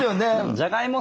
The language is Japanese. じゃがいも